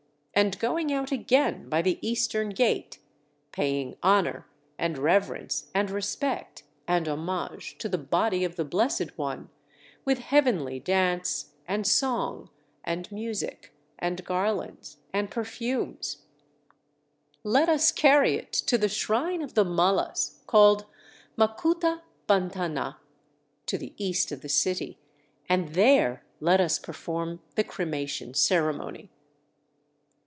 And going out again by the eastern gate, paying honor, and reverence, and respect, and homage to the body of the Blessed One, with heavenly dance, and song, and music, and garlands, and perfumes, let us carry it to the shrine of the Mallas called Makuta bandhana, to the east of the city, and there let us perform the cremation ceremony.'"